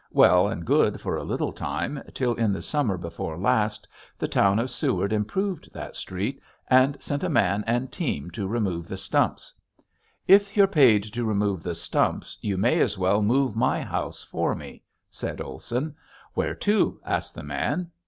Well and good for a little time till in the summer before last the town of Seward improved that street and sent a man and team to remove the stumps. "If you're paid to remove the stumps you may as well move my house for me," said Olson. "Where to?" asked the man.